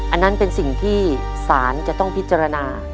อันนั้นเป็นสิ่งที่ศาลจะต้องพิจารณา